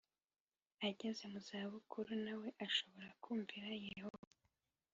Ageze mu za bukuru nawe ushobora kumvira yehova